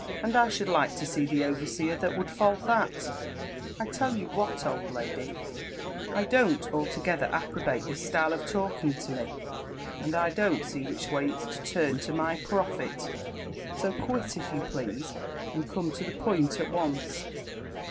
'< And I should like to see the overseer that would fault that !— I tell you what, old lady, I don't altogether approbate this style of talking tome, and I dont't see which way it's to turn to my profit; — 60 quit, if you please, and come to the point atonce."